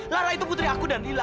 lara itu putri aku dan lila